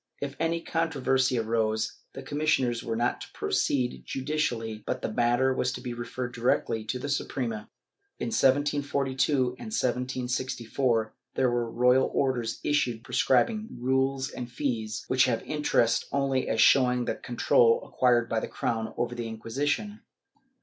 If any controversy arose, the commis sioners were not to proceed judicially but the matter was to be referred directly to the Suprema.^ In 1742 and 1764, there were royal orders issued prescribing rules and fees, which have interest only as showing the control acquired by the crown over the Inquisition.